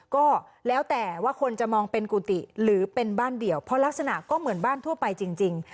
ก็แล้วแต่ว่าคนจะมองเป็นกุฏิหรือเป็นบ้านเดี่ยวเพราะลักษณะก็เหมือนบ้านทั่วไปจริง